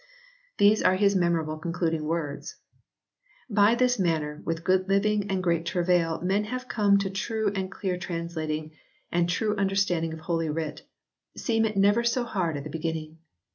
These are his memorable concluding words :" By this manner with good living and great travail men can come to true and clear translating, and true understanding of Holy Writ, seem it never so hard at the beginning.